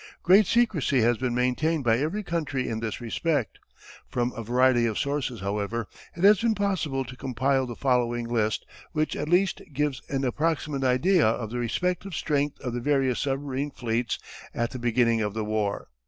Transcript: Great secrecy has been maintained by every country in this respect. From a variety of sources, however, it has been possible to compile the following list which at least gives an approximate idea of the respective strength of the various submarine fleets at the beginning of the war.